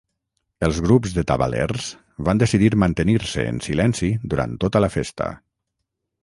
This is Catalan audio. Els grups de tabalers van decidir mantenir-se en silenci durant tota la festa.